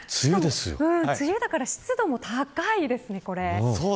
梅雨だから湿度も高いですね。